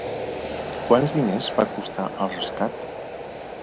Quants diners va costar el rescat?